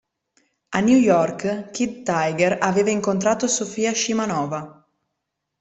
A New York, Kid Tiger aveva incontrato Sofia Scimanova.